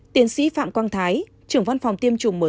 tiến sĩ phạm quang thái trưởng văn phòng tiêm chủng mở rộng